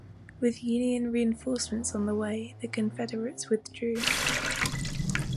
With Union reinforcements on the way, the Confederates withdrew.